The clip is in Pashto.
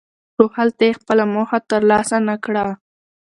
خو هلته یې خپله موخه ترلاسه نکړه.